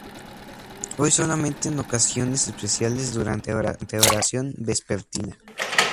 Hoy solamente en ocasiones especiales durante la oración vespertina.